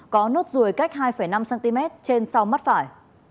có nốt ruồi cách hai năm cm trên sau mắt phải